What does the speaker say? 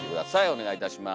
お願いいたします。